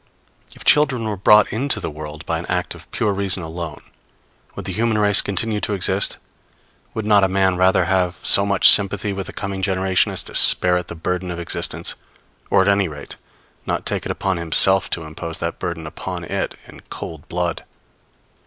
If children were brought into the world by an act of pure reason alone, would the human race continue to exist? Would not a man rather have so much sympathy with the coming generation as to spare it the burden of existence? or at any rate not take it upon himself to impose that burden upon it in cold blood.